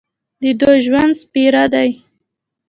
د دوی ژوند سپېره دی.